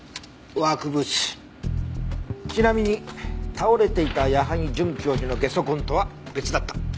ちなみに倒れていた矢萩准教授のゲソ痕とは別だった。